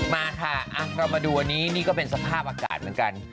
มาค่ะเรามาดูอันนี้นี่ก็เป็นสภาพอากาศเหมือนกัน